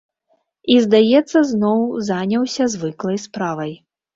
І, здаецца, зноў заняўся звыклай справай.